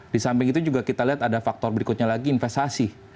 di samping itu juga kita lihat ada faktor berikutnya lagi investasi